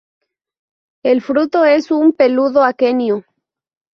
El fruto es un peludo aquenio.